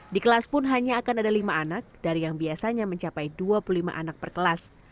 di kelas pun hanya akan ada lima anak dari yang biasanya mencapai dua puluh lima anak per kelas